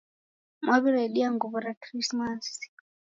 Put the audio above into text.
Mwaw'iredia nguw'o ra Krismasi?